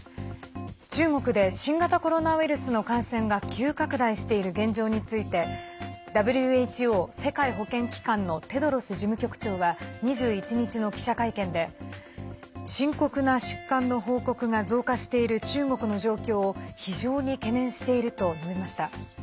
中国で新型コロナウイルスの感染が急拡大している現状についてＷＨＯ＝世界保健機関のテドロス事務局長は２１日の記者会見で深刻な疾患の報告が増加している中国の状況を非常に懸念していると述べました。